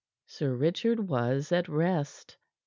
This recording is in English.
Sir Richard was at rest.